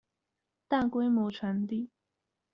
大規模傳遞